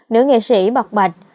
nữ nghệ sĩ bọc bạch